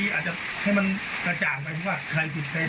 อยากให้มันกระจ่างไปมีเค้าวิบใจเสียบ่อย